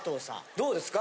どうですか？